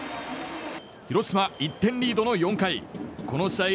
広島、１点リードの４回この試合